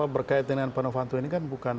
berkaitan dengan pak novanto ini kan bukan